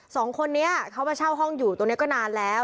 สองคนนี้เขามาเช่าห้องอยู่ตรงนี้ก็นานแล้ว